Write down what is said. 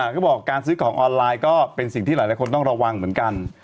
เขาบอกการซื้อของออนไลน์ก็เป็นสิ่งที่หลายคนต้องระวังเหมือนกัน